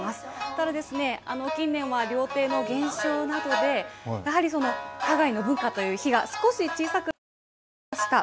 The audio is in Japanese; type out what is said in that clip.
ただですね、近年は料亭の減少などで、やはりその花街の文化という火が少し小さくなってしまいました。